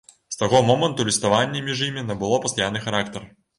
З таго моманту ліставанне між імі набыло пастаянны характар.